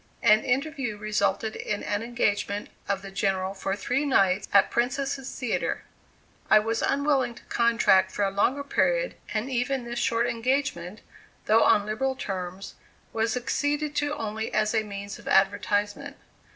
An interview resulted in an engagement of the General for three nights at Princess's Theatre. I was unwilling to contract for a longer period, and even this short engagement, though on liberal terms, was acceded to only as a means of advertisement.